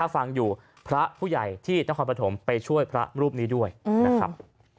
ฟังอยู่พระผู้ใหญ่ที่นครปฐมไปช่วยพระรูปนี้ด้วยนะครับ